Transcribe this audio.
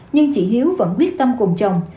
nhưng chị hiếu vẫn quyết tâm cùng chồng